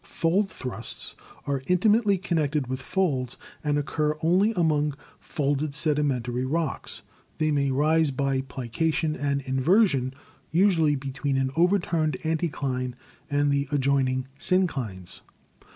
"Fold thrusts are intimately connected with folds, and occur only among folded sedimentary rocks; they may arise by plication and inversion, usually between an over turned anticline and the adjoining synclines.